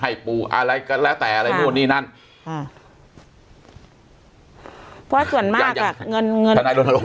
ให้ปูอะไรก็แล้วแต่อะไรนู่นนี่นั่นค่ะพอส่วนมากอ่ะเงินเงิน